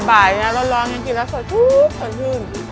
บ่ายร้อนยังกินแล้วสวยทุกสวยขึ้น